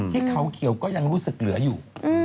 ที่เขาเขียวก็ยังรู้สึกเหลืออยู่